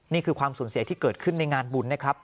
นี่คือความสูญเสียที่เกิดขึ้นในงานบุญนะครับ